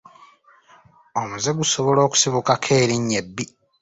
Omuze gusobola okusibukako erinnya ebbi.